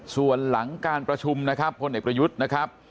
ส่วนหลังการประชุมนะครับพลเอกประยุทธ์นะครับ